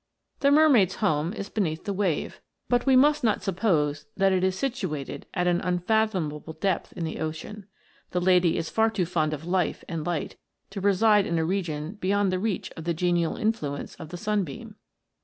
The mermaid's home is beneath the wave, but we must not suppose that it is situated at an unfathom able depth in the ocean. The lady is far too fond of life and light to reside in a region beyond the reach of the genial influence of the sunbeam.